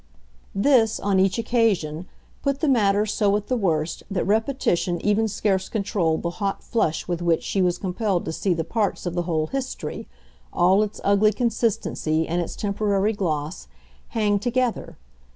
This, on each occasion, put the matter so at the worst that repetition even scarce controlled the hot flush with which she was compelled to see the parts of the whole history, all its ugly consistency and its temporary gloss, hang together.